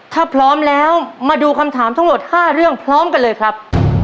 ถ้าพร้อมแล้วมาดูคำถามทั้งหมด๕เรื่องพร้อมกันเลยครับ